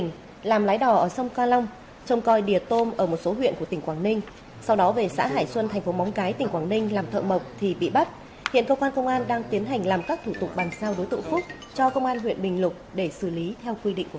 hãy đăng ký kênh để ủng hộ kênh của chúng mình nhé